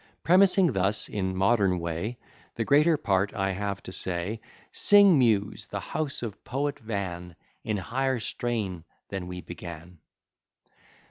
Premising thus, in modern way, The greater part I have to say; Sing, Muse, the house of Poet Van, In higher strain than we began.